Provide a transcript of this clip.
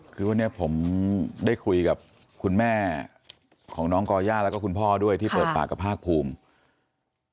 คือวันนี้ผมได้คุยกับคุณแม่ของน้องก่อย่าแล้วก็คุณพ่อด้วยที่เปิดปากกับภาคภูมิ